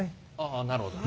あなるほど。